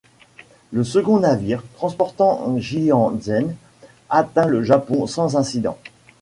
Le second navire, transportant Jianzhen, atteint le Japon sans incident.